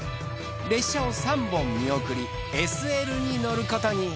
列車を３本見送りＳＬに乗ることに。